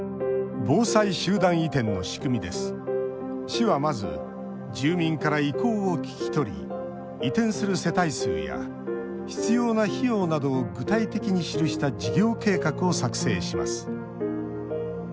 市はまず住民から意向を聞き取り移転する世帯数や必要な費用などを具体的に記した事業計画を作成します。